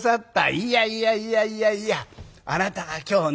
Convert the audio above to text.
いやいやいやいやいやあなたが今日ね